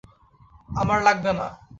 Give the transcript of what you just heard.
আমার লাগবে না।